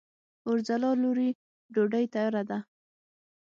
اورځلا لورې! ډوډۍ تیاره ده؟